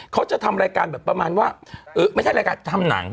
เขาจะทำรายการแบบประมาณว่าไม่ใช่รายการทำหนัง